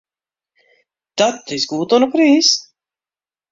Dat is goed oan 'e priis.